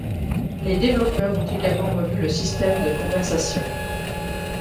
Les développeurs ont également revu le système de conversation.